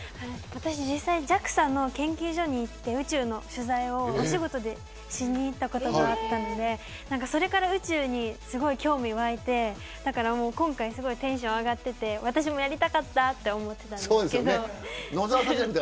私実際ＪＡＸＡの研究所に行って宇宙の取材をお仕事でしにいったことがあったので、それから宇宙にすごい興味が湧いて今回テンションが上がっていて私もやりたかったと思ったんですけど。